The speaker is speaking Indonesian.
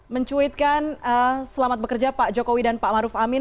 mencuitkan selamat bekerja pak jokowi dan pak maruf amin